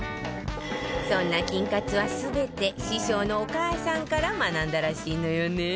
そんな菌活は全て師匠のお母さんから学んだらしいのよね